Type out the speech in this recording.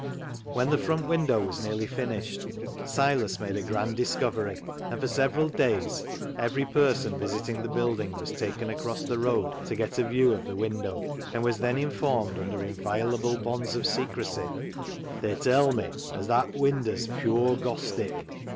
When the front window was nearly finished Silas made a grand discovery, and for several days every person visiting the building was taken across the road to get a view of the window, and was then informed under in violable bonds of secrecy, " They tell me as that winder's pure Gostic.